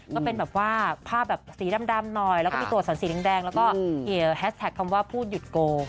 ก็เป็นแบบว่าภาพแบบสีดำหน่อยแล้วก็มีตัวสันสีแดงแล้วก็แฮชแท็กคำว่าพูดหยุดโก